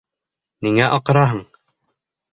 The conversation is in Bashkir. Ниңә аҡыраһың?